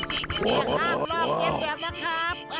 เนี่ยฮ่าลอบเย็นแบบนะครับ